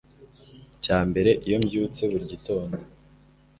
cya mbere iyo mbyutse buri gitondo.